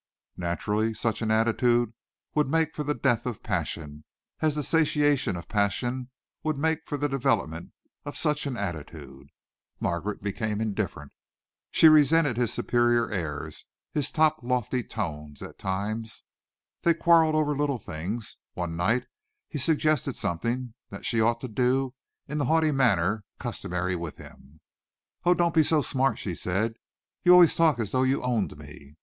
Naturally such an attitude would make for the death of passion, as the satiation of passion would make for the development of such an attitude. Margaret became indifferent. She resented his superior airs, his top lofty tone at times. They quarreled over little things. One night he suggested something that she ought to do in the haughty manner customary with him. "Oh, don't be so smart!" she said. "You always talk as though you owned me."